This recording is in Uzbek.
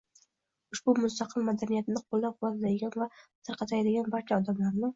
ushbu mustaqil madaniyatni qo‘llabquvvatlaydigan va tarqatadigan barcha odamlarni;